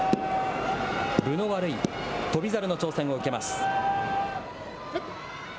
分の悪い、翔猿の挑戦を受けます。